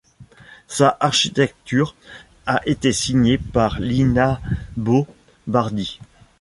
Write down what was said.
Sa architecture a été signé par Lina Bo Bardi.